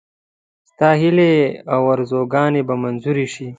ستا هیلې او آرزوګانې به منظوري شي.